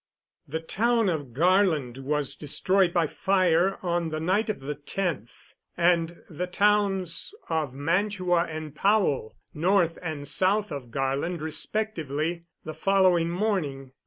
The town of Garland was destroyed by fire on the night of the 10th, and the towns of Mantua and Powell north and south of Garland respectively the following morning.